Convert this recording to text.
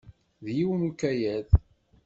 D yiwen ukayad.